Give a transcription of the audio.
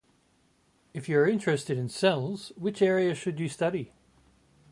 If you are interested in cells, which area should you study?